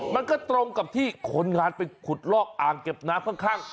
มันก็ตรงกับที่คนงานไปขุดลอกอ่างเก็บน้ำข้าง